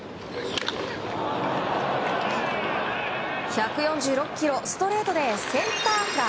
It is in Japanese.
１４６キロ、ストレートでセンターフライ。